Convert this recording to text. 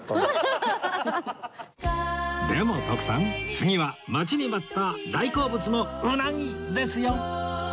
でも徳さん次は待ちに待った大好物のうなぎですよ！